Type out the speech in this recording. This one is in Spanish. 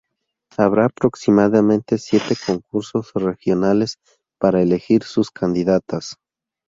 Habrá aproximadamente siete concurso regionales para elegir sus candidatas.